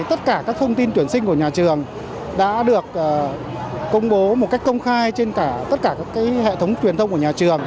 tất cả các thông tin tuyển sinh của nhà trường đã được công bố một cách công khai trên tất cả các hệ thống truyền thông của nhà trường